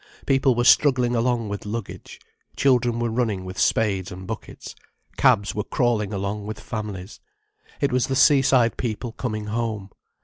People were struggling along with luggage, children were running with spades and buckets, cabs were crawling along with families: it was the seaside people coming home.